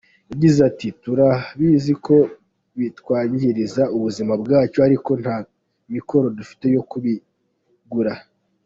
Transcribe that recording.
Yagize ati :"Turabizi ko bitwangiriza ubuzima bwacu ariko nta mikoro dufite yo kubigura.